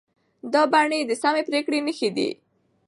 دا بڼې د سمې پرېکړې نښې دي.